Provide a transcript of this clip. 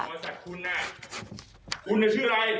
คุณชื่ออะไร